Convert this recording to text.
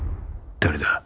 誰だ？